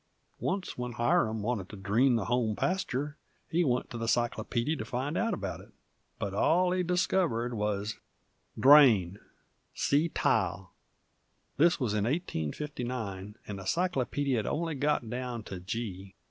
Oncet when Hiram wanted to dreen the home pasture, he went to the cyclopeedy to find out about it, but all he diskivered wuz: "Drain See Tile." This wuz in 1859, and the cyclopeedy had only got down to G.